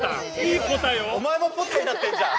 おまえもポタになってんじゃん！